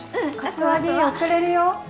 柏木遅れるよ